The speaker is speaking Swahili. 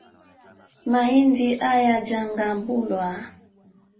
Mahindi hayajagambulwa